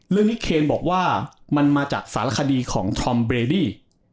เรื่องนี้เคนบอกว่ามันมาจากสารคดีของธอมเบรดี้